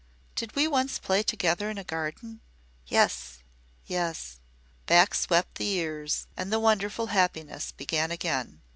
"Did we once play together in a garden?" "Yes yes." Back swept the years, and the wonderful happiness began again.